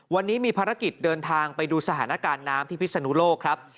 วันนี้มีภารกิจเดินทางไปดูสถานการณ์น้ำที่พิศนุโลกครับ